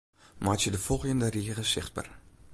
Meitsje de folgjende rige sichtber.